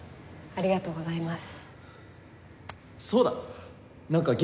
ありがとうございます！